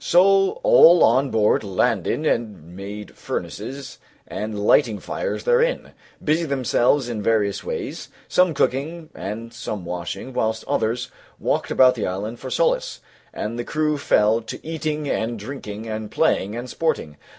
So all on board landed and made furnaces, and lighting fires therein, busied themselves in various ways, some cooking and some washing, whilst other some walked about the island for solace, and the crew fell to eating and drinking and playing and sporting.